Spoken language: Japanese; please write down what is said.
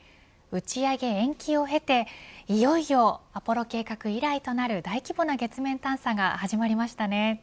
打ち上げ延期を経ていよいよ、アポロ計画以来となる大規模な月面探査が始まりましたね。